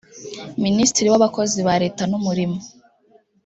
Minisitiri w’abakozi ba Leta n’Umurimo